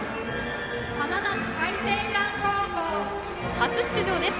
初出場です。